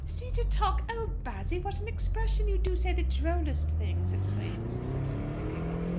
"See to talk! Oh, Bassy, what an expression! You do say the drollest things!" exclaimed Mrs. Simpson with a giggle.